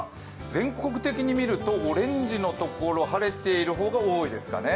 全国的に見るとオレンジのところ晴れてるところが多いですかね